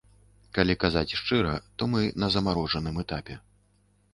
Калі казаць шчыра, то мы на замарожаным этапе.